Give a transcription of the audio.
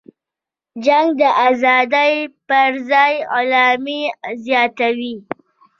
جنگ د ازادۍ پرځای غلامي زیاتوي.